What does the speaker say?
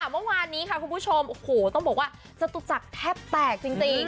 เมื่อวานนี้คุณผู้ชมต้องบอกว่าศตุจักรแทบแตกจริงจริง